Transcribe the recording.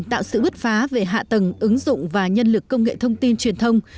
tạo sự bứt phá về hạ tầng ứng dụng và nhân lực công nghệ thông tin truyền thông